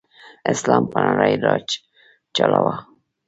اسلام په نړۍ راج چلاؤ.